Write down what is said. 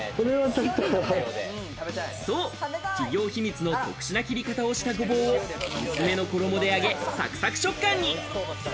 そう、企業秘密の特殊な切り方をしたごぼうを薄めの衣で揚げ、サクサク食感に。